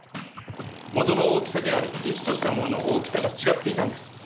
元の大きさである１としたものの大きさがちがっていたんです。